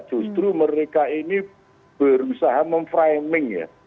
justru mereka ini berusaha memframing ya